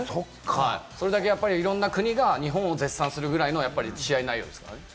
それだけ、いろんな国が日本を絶賛するぐらいの試合内容ですから。